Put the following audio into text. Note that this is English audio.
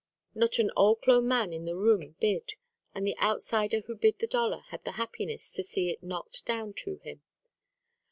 Not an old clo' man in the room bid, and the outsider who bid the dollar had the happiness to see it knocked down to him.